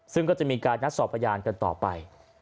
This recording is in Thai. ซึ่งก็จะมีการนัดสอบพยานกันต่อไป